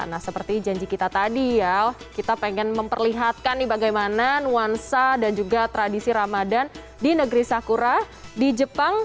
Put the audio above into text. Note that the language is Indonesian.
nah seperti janji kita tadi ya kita pengen memperlihatkan nih bagaimana nuansa dan juga tradisi ramadan di negeri sakura di jepang